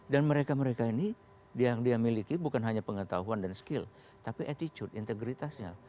dan mereka mereka ini yang dia miliki bukan hanya pengetahuan dan skill tapi attitude integritasnya